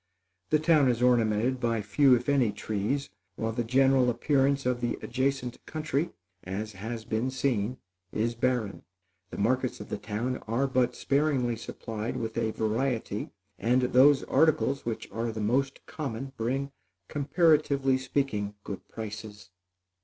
The town is ornamented by few, if any, trees, while the general appearance of the adjacent country, as has been seen, is barren. The markets of the town are but sparingly supplied with a variety, and those articles which are the most common, bring, comparatively speaking, good prices.